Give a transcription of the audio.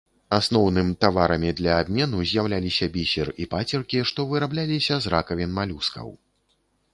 Асноўным таварамі для абмену з'яўляліся бісер і пацеркі, што вырабляліся з ракавін малюскаў.